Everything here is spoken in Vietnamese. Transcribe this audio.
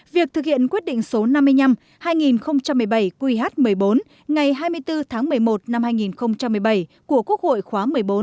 việc thực hiện quyết định số năm mươi năm hai nghìn một mươi bảy qh một mươi bốn ngày hai mươi bốn tháng một mươi một năm hai nghìn một mươi bảy của quốc hội khóa một mươi bốn